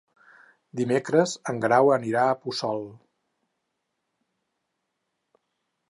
Dimecres en Grau anirà a Puçol.